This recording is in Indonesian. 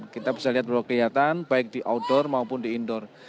kita bisa lihat beberapa kegiatan baik di outdoor maupun di indoor